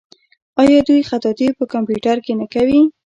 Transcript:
آیا دوی خطاطي په کمپیوټر کې نه کوي؟